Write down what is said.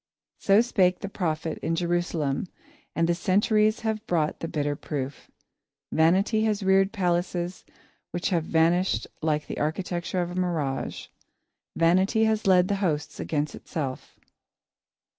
So spake the prophet in Jerusalem and the centuries have brought the bitter proof. Vanity has reared palaces which have vanished like the architecture of a mirage. Vanity has led the hosts against itself.